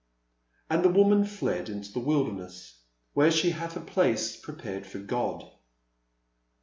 "And the woman fled into the wildehiess, where she hath a place prepared of God.''